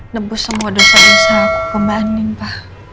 nebus semua dosa dosa aku ke mbak andin pa